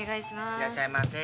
いらっしゃいませ・